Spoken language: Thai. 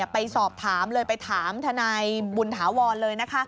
ไปสอบถามเลยไปถามทนายบุญถาวรเลยนะคะ